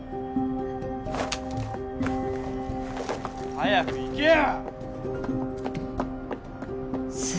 早く行けよ！